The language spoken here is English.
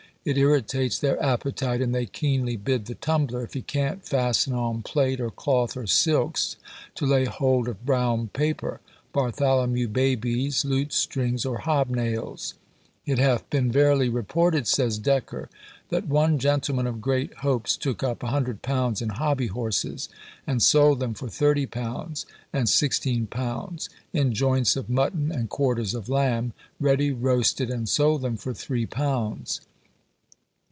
It irritates their appetite, and they keenly bid the tumbler, if he can't fasten on plate, or cloth, or silks, to lay hold of brown paper, Bartholomew babies, lute strings, or hob nails. It hath been verily reported," says Decker, "that one gentleman of great hopes took up £100 in hobby horses, and sold them for £30; and £16 in joints of mutton and quarters of lamb, ready roasted, and sold them for three pounds."